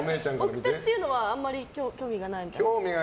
奥手っていうのはあんまり興味がないみたいな？